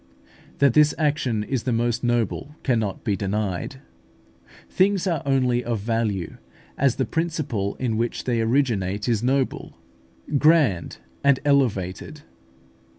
That this action is the most noble cannot be denied. Things are only of value as the principle in which they originate is noble, grand, and elevated.